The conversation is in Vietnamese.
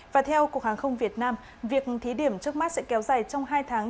và theo cục hàng không việt nam việc thí điểm trước mắt sẽ kéo dài trong hai tháng